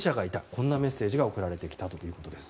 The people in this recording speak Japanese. こんなメッセージが送られてきたということです。